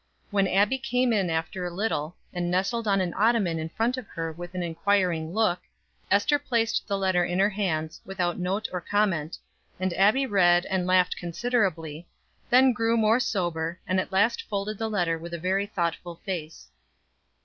When Abbie came in after a little, and nestled on an ottoman in front of her, with an inquiring look, Ester placed the letter in her hands, without note or comment, and Abbie read and laughed considerably, then grew more sober, and at last folded the letter with a very thoughtful face.